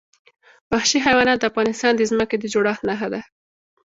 وحشي حیوانات د افغانستان د ځمکې د جوړښت نښه ده.